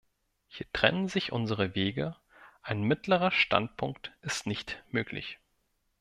Hier trennen sich unsere Wege ein mittlerer Standpunkt ist nicht möglich.